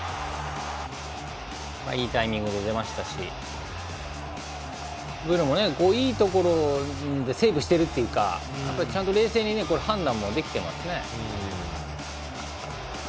いいタイミングで出ましたしいいところでセーブしているというかちゃんと冷静に判断もできてますね。